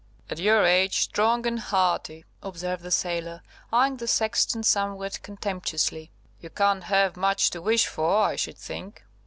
"At your age, strong and hearty," observed the sailor, eyeing the sexton somewhat contemptuously, "you can't have much to wish for, I should think."